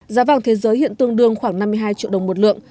giá vàng thế giới hiện tương đương khoảng năm mươi hai triệu đồng một lượng